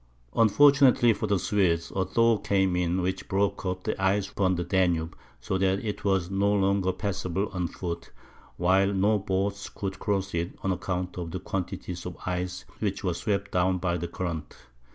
Unfortunately for the Swedes, a thaw came on, which broke up the ice upon the Danube, so that it was no longer passable on foot, while no boats could cross it, on account of the quantities of ice which were swept down by the current.